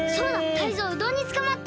タイゾウうどんにつかまって。